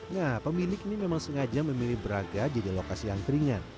nah pemilik ini memang sengaja memilih braga jadi lokasi angkringan